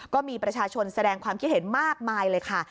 ก็มีประชาชนแสดงความคิดเห็นมากมายเลยค่ะ